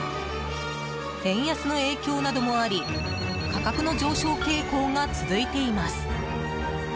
円安の影響などもあり価格の上昇傾向が続いています。